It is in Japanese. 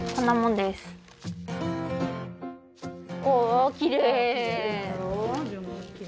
おおきれい！